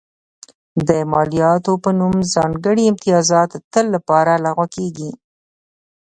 د مالیاتو په نوم ځانګړي امتیازات تل لپاره لغوه کېږي.